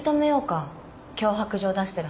脅迫状出してる犯人を。